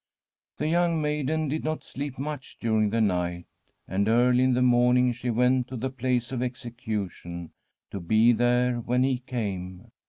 The young maiden did not sleep much during the night, and early in the morning she went to the place of execution, to be there when he came.